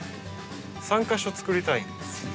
３か所作りたいんです。